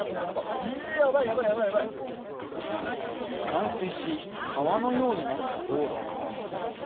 冠水し、川のようになった道路。